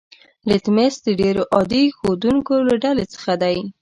لتمس د ډیرو عادي ښودونکو له ډلې څخه دی.